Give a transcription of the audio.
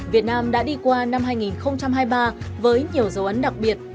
việt nam đã đi qua năm hai nghìn hai mươi ba với nhiều dấu ấn đặc biệt